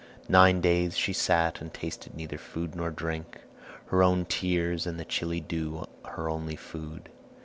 Nine days she sat and tasted neither food nor drink, her own tears and the chilly dew her only food.